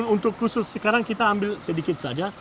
untuk khusus sekarang kita ambil sedikit saja